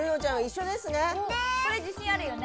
これ自信あるよね。